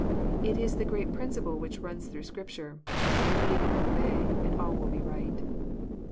It is the great principle which runs through Scripture, —'* Believe and obey, and all will be right."